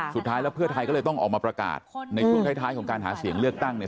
สุดท้ายแล้วเพื่อไทยก็เลยต้องออกมาประกาศในช่วงท้ายของการหาเสียงเลือกตั้งเนี่ย